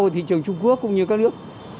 của thị trường trung quốc cũng như các nước